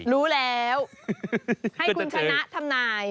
รู้แล้วให้คุณชนะทำนาย